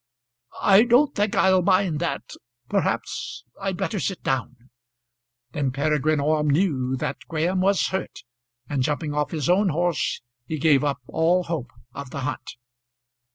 "I don't think I'll mind that. Perhaps I'd better sit down." Then Peregrine Orme knew that Graham was hurt, and jumping off his own horse he gave up all hope of the hunt.